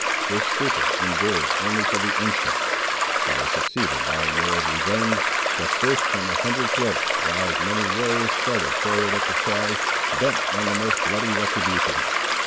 This stupor endured only for the instant. It was succeeded by a yell of revenge, that burst from a hundred throats, while as many warriors started forward at the cry, bent on the most bloody retribution.